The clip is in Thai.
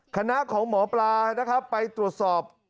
คณะของหมอปลาไปตรวจสอบ